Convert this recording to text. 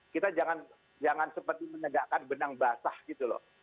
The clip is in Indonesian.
kita jangan seperti menegakkan benang basah gitu loh